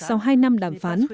sau hai năm đàm phán